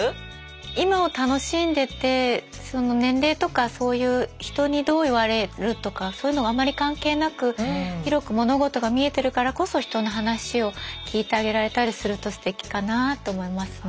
今を楽しんでて年齢とかそういう人にどう言われるとかそういうのがあんまり関係なく広く物事が見えてるからこそ人の話を聞いてあげられたりするとステキかなあと思いますね。